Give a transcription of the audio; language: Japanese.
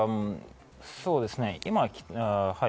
そうですね。